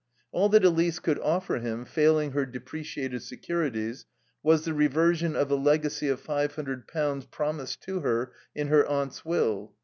All that Elise could offer him, failing her depreciated securities, was the reversion of a legacy of five hundred pounds promised to her in her aunt's will.